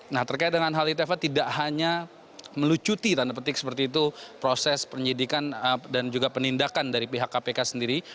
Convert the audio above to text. nah terkait dengan hal itu eva tidak hanya melucuti tanda petik seperti itu proses penyidikan dan juga penindakan dari pihak kpk sendiri